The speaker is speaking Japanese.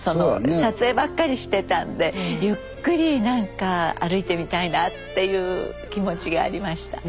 撮影ばっかりしてたんでゆっくり何か歩いてみたいなっていう気持ちがありました。